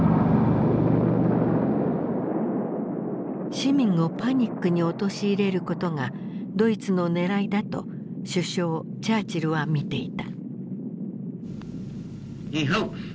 市民をパニックに陥れることがドイツの狙いだと首相チャーチルは見ていた。